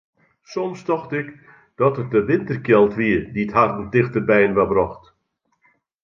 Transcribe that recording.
Soms tocht ik dat it de winterkjeld wie dy't harren tichter byinoar brocht.